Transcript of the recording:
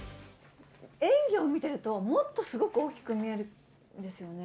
演技を見ていると、もっとすごく大きく見えるんですね。